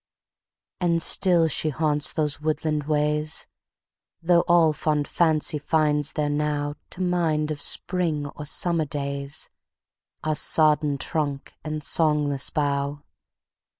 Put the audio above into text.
And still she haunts those woodland ways, Though all fond fancy finds there nowTo mind of spring or summer days, Are sodden trunk and songless bough.